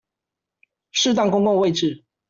適當公共位置